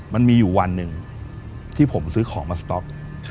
มันมีอยู่วันหนึ่งที่ผมซื้อของมาสต๊อก